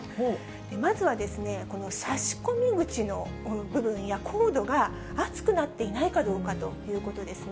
まずはですね、差し込み口のこの部分やコードが熱くなっていないかどうかということですね。